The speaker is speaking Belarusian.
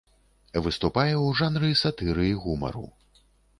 Выступае ў жанры сатыры і гумару.